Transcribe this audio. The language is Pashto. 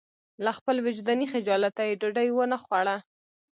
له خپل وجداني خجالته یې ډوډۍ ونه خوړه.